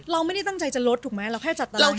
เราไม่ได้ตั้งใจจะลดถูกไหมเราแค่จัดตาราง